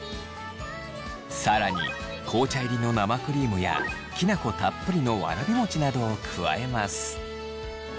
更に紅茶入りの生クリームやきな粉たっぷりのわらび餅などを加えます。